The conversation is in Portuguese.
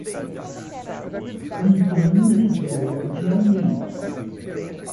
Antônio Lisboa de Almeida